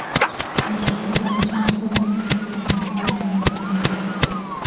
Las representaciones forman un rico conjunto iconográfico.